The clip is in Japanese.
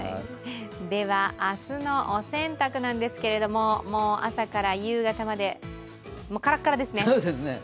明日のお洗濯なんですけれども、もう朝から夕方までカラッカラですね。